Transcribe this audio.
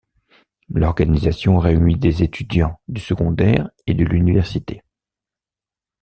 L'organisation réunit des étudiants du secondaire et de l'université.